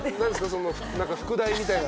その副題みたいな。